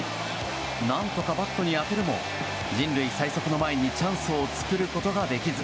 何とかバットに当てるも人類最速の前にチャンスを作ることができず。